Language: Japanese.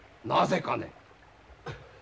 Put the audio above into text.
なぜかね？